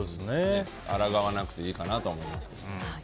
抗わなくていいかなと思いますけどね。